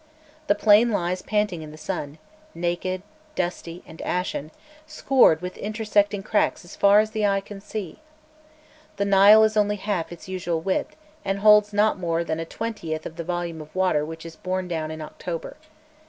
The plain lies panting in the sun naked, dusty, and ashen scored with intersecting cracks as far as eye can see. The Nile is only half its usual width, and holds not more than a twentieth of the volume of water which is borne down in October.